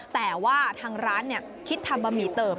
แต่ว่าทางร้านคิดทำบะหมี่เติบ